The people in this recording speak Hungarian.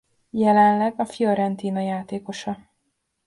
Jelenleg a Fiorentina játékosa.